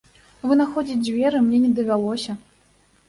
Вынаходзіць дзверы мне не давялося.